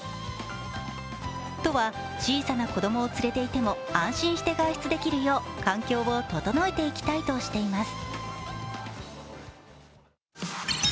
都は、小さな子供を連れていても安心して外出できるよう環境を整えていきたいとしています。